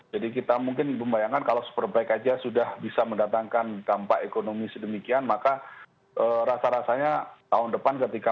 jadi kita mungkin membayangkan kalau superbike saja sudah bisa mendatangkan dampak ekonomi sedemikian maka rasa rasanya tahun depan akan lebih banyak